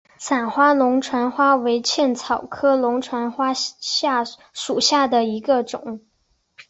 散花龙船花为茜草科龙船花属下的一个种。